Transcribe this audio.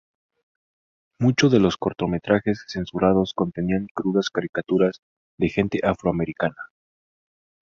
Muchos de los cortometrajes censurados contenían crudas caricaturas de gente afroamericana.